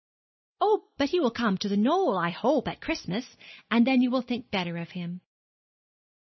'Oh, but he will come to The Knoll, I hope, at Christmas, and then you will think better of him.'